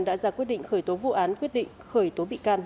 đã ra quyết định khởi tố vụ án quyết định khởi tố bị can